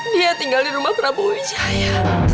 dia tinggal di rumah prabowo cahaya